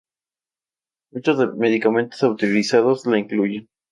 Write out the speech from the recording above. Muchos medicamentos autorizados la incluyen.